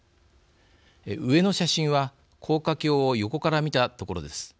上の写真は高架橋を横から見たところです。